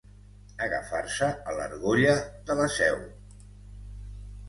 Agafar-se a l'argolla de la Seu.